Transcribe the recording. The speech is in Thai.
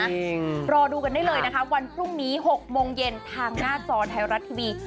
จริงรอดูกันได้เลยนะคะวันพรุ่งนี้๖โมงเย็นทางหน้าจอไทยรัฐทีวี